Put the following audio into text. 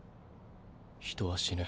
人は死ぬ。